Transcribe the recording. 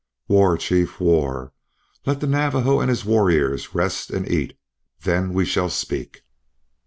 "War, chief, war! Let the Navajo and his warriors rest and eat. Then we shall speak."